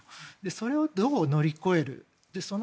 それをどう乗り越えるか。